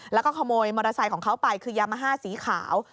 แล้วก็ขโมยมอเตอร์ไซค์ของเขาไปคือยามาฮ่าสีขาว